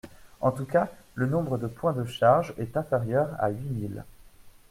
En tout cas, le nombre de points de charges est inférieur à huit mille.